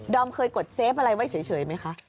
เคยกดเซฟอะไรไว้เฉยไหมคะ